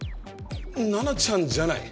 ナナちゃんじゃない？